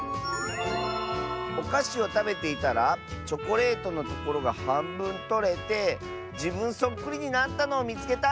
「おかしをたべていたらチョコレートのところがはんぶんとれてじぶんそっくりになったのをみつけた！」。